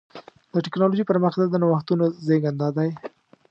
د ټکنالوجۍ پرمختګ د نوښتونو زېږنده دی.